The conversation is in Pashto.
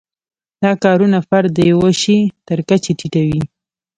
دا کارونه فرد د یوه شي تر کچې ټیټوي.